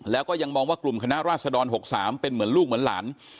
แล้วก็ยังมองว่ากลุ่มคณะราษฎร๖๓เป็นเหมือนลูกเหมือนหลาน